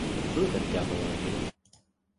Who the devil are you?